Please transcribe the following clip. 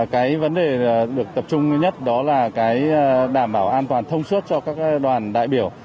cái vấn đề được tập trung nhất đó là cái đảm bảo an toàn thông suốt cho các đoàn đại biểu